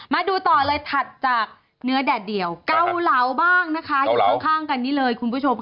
มาดูต่อเลยถัดจากเนื้อแดดเดียวเกาเหลาบ้างนะคะอยู่ข้างกันนี่เลยคุณผู้ชม